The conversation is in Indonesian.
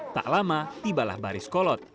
tak lama tibalah baris kolot